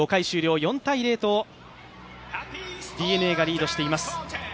５回ウラ４−０とＤｅＮＡがリードしています。